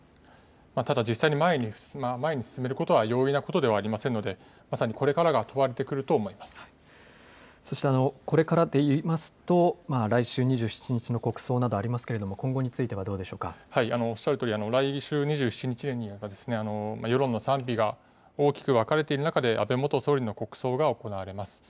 ただ、実際に前に進めることは容易なことではありませんのでまさにこれからが問われてくるとそして、これからで言いますと来週２７日の国葬などありますけれどもおっしゃるとおり来週２７日に、世論の賛否が大きく分かれている中で安倍元総理の国葬が行われます。